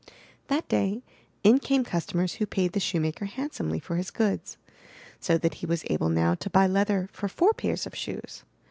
That day in came cus tomers who paid the shoe maker handsomely for his goods, so that he was able now to buy leather for four pairs of shoes.